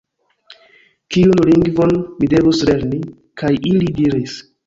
Kiun lingvon mi devus lerni? kaj ili diris: